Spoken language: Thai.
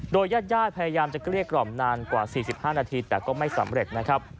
ญาติพยายามจะเกลี้ยกล่อมนานกว่า๔๕นาทีแต่ก็ไม่สำเร็จนะครับ